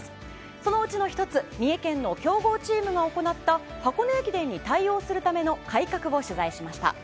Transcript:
そのうちの１つ三重県の強豪チームが行った箱根駅伝に対応するための改革を取材しました。